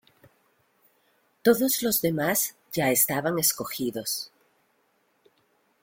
Todos los demás ya estaban escogidos.